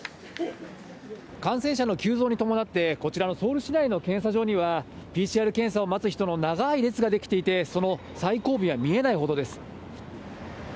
感染者の急増に伴って、こちらのソウル市内の検査場には、ＰＣＲ検査を待つ人の長い列が出来ていて、その最後尾は見えないほどです。